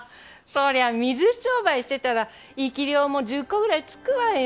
そりゃあ水商売してたら生霊も１０個ぐらい憑くわよ。